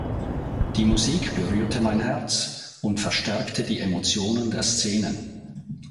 Die Musik berührte mein Herz und verstärkte die Emotionen der Szenen.